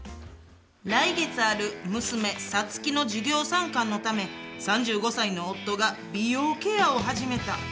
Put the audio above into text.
来月ある娘、サツキの授業参観のため、３５歳の夫が美容ケアを始めた。